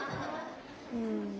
うん。